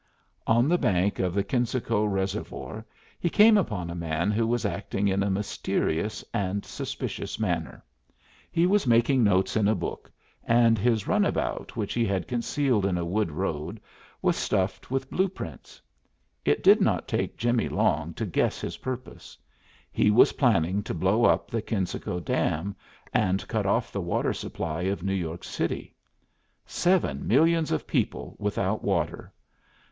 On the bank of the Kensico Reservoir, he came upon a man who was acting in a mysterious and suspicious manner. He was making notes in a book, and his runabout which he had concealed in a wood road was stuffed with blue prints. It did not take Jimmie long to guess his purpose. He was planning to blow up the Kensico dam, and cut off the water supply of New York City. Seven millions of people without water!